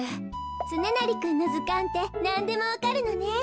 つねなりくんのずかんってなんでもわかるのね。